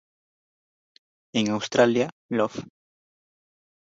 En Australia, "Love.